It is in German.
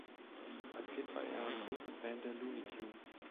Als Kind war er ein großer Fan der "Looney Tunes".